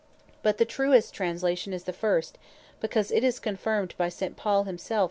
But the truest Translation is the first, because it is confirmed by St. Paul himself (Tit.